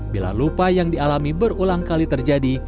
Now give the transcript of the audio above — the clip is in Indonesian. bila lupa yang dialami berulang kali terjadi